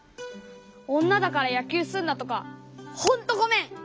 おんなだからやきゅうすんなとかほんとごめん！